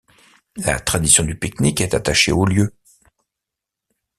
La tradition du pique-nique est attachée au lieu.